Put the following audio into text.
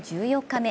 １４日目。